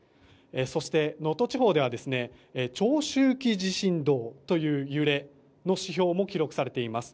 そして、能登地方では長周期地震動という揺れの指標も記録されています。